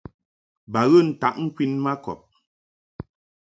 Ba ghə ntaʼ ŋkwin ma kɔb.